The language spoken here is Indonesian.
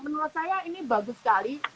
menurut saya ini bagus sekali